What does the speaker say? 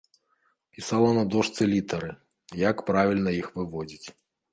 Пісала на дошцы літары, як правільна іх выводзіць.